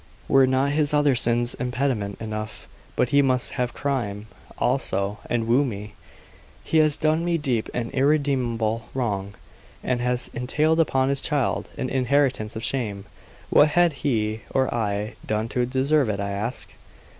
Were not his other sins impediment enough but he must have crime, also, and woo me! He has done me deep and irredeemable wrong, and has entailed upon his child an inheritance of shame. What had he or I done to deserve it, I ask?"